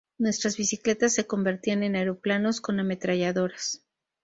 Nuestras bicicletas se convertían en aeroplanos con ametralladoras.